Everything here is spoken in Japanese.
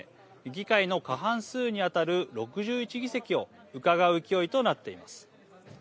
議会の過半数に当たる６１議席をうかがう勢いとなっています。